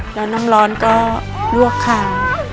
แล้วน้ำร้อนก็รั่วขา